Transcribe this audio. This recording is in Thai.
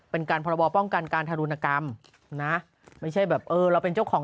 เป็นการพรบป้องกันการทารุณกรรมนะไม่ใช่แบบเออเราเป็นเจ้าของ